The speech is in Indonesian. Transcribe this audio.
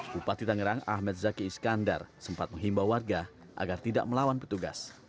bupati tangerang ahmed zaki iskandar sempat menghimbau warga agar tidak melawan petugas